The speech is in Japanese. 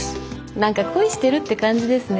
何か恋してるって感じですね。